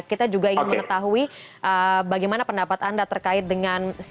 kita juga ingin mengetahui bagaimana pendapat anda terkait dengan